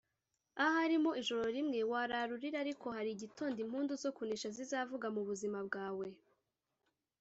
Ahari mu ijoro rimwe warara urira ariko hari gitondo impundu zo kunesha zizavuga mu buzima bwawe